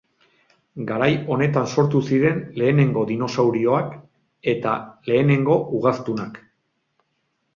Garai honetan sortu ziren lehenengo Dinosauroak eta lehenengo ugaztunak.